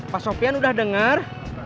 pak sofyan udah denger